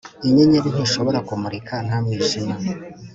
inyenyeri ntishobora kumurika nta mwijima